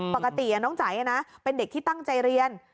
ปกติน้องใจนะเป็นเด็กที่ตั้งใจเรียน